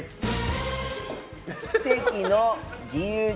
奇跡の自由人